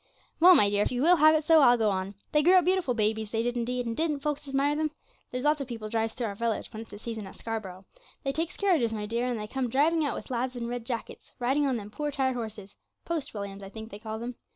'Well, my dear, if you will have it so, I'll go on. They grew up beautiful babies, they did indeed, and didn't folks admire them! There's lots of people drives through our village when it's the season at Scarborough; they takes carriages, my dear, and they come driving out with lads in red jackets riding on them poor tired horses "post williams," I think they call them.